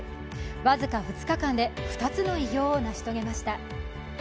僅か２日間で２つの偉業を成し遂げました。